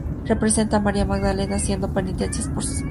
Representa a María Magdalena haciendo penitencia por sus pecados.